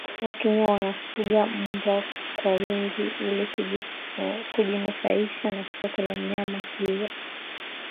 wakenya wanafuga mbwa kwa wingi ili kujinufaisha na soko la nyama hiyo